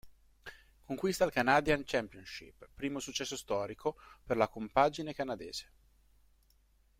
Conquista il Canadian Championship, primo successo storico per la compagine canadese.